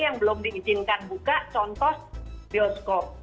yang belum diizinkan buka contoh bioskop